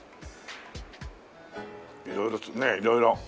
色々ね色々。